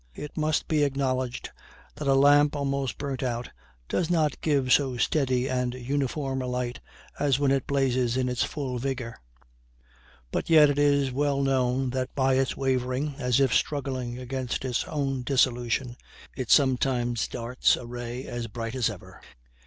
It must be acknowledged that a lamp almost burnt out does not give so steady and uniform a light as when it blazes in its full vigor; but yet it is well known that by its wavering, as if struggling against its own dissolution, it sometimes darts a ray as bright as ever.